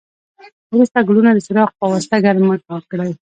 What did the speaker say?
وروسته ګلوله د څراغ پواسطه ګرمه کړئ.